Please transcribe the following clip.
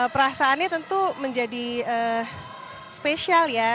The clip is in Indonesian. perasaannya tentu menjadi spesial ya